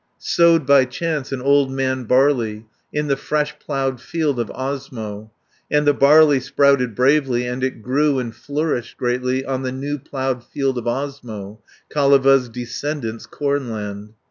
"Sowed, by chance, an old man barley, In the fresh ploughed field of Osmo, And the barley sprouted bravely, And It grew and flourished greatly, On the new ploughed field of Osmo, Kaleva's descendant's cornland.